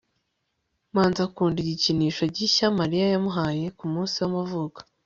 manzi akunda igikinisho gishya mariya yamuhaye kumunsi w'amavuko